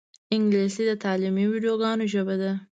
انګلیسي د تعلیمي ویدیوګانو ژبه ده